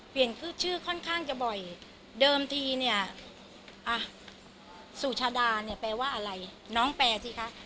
ชื่อค่อนข้างจะบ่อยเดิมทีเนี่ยอ่ะสุชาดาเนี่ยแปลว่าอะไรน้องแปลสิคะ